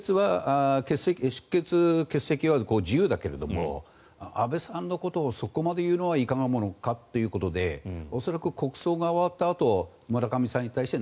出欠は自由だけれども安倍さんのことをそこまで言うのはいかがなものかということで恐らく国葬が終わったあと村上さんに対して